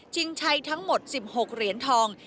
ชัยทั้งหมด๑๖เหรียญทอง